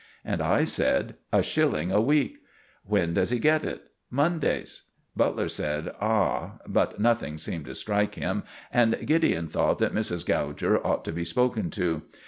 And I said: "A shilling a week." "When does he get it?" "Mondays." Butler said, "Ah!" but nothing seemed to strike him, and Gideon thought that Mrs. Gouger ought to be spoken to.